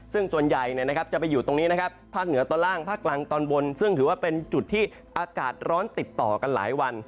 ซึ่งส่วนใหญ่จะไปอยู่ตรงนี้นะครับภาคเหนือตอนล่างภาคกลางตอนบนซึ่งถือว่าเป็นจุดที่อากาศร้อนติดต่อกันหลายวัน